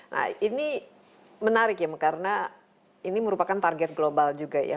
nah ini menarik ya karena ini merupakan target global juga ya